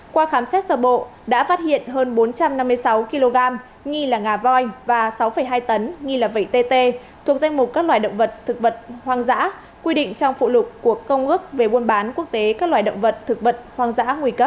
qua khám xét sở bộ đã phát hiện hơn bốn trăm năm mươi sáu kg nghi là ngà voi và sáu hai tấn nghi là vẩy tt thuộc danh mục các loài động vật thực vật hoang dã quy định trong phụ lục của công ước về buôn bán quốc tế các loài động vật thực vật hoang dã nguy cấp